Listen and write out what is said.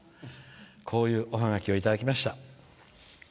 こういうおハガキをいただきました。